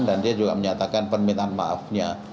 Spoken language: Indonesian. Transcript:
dan dia juga menyatakan permintaan maafnya